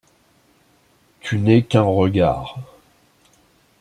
Tu n’es qu’un regard.